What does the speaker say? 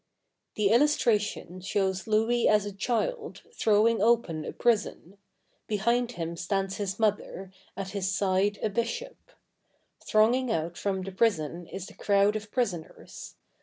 The illustration shows Louis as a child, throwing open a prison. Behind him stands his mother, at his side a bishop. Thronging out from the prison is the crowd of prisoners.